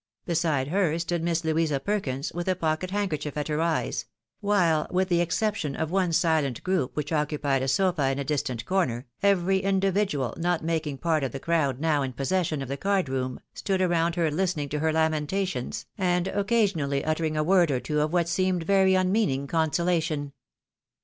Beside her stood Miss Louisa AN ELOPEMENT. 371 Perkina, with a pocket handkercliief at her eyes ; while, with the exception of one silent group which occupied a sofa in a distant corner, every individual not making part of the crowd now in possession of the card room, stood around her listening to her lamentations, and occasionally uttering a word or two of what seemed very unmeaning consolation.